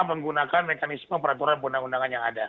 mereka menggunakan mekanisme peraturan undangan undangan yang ada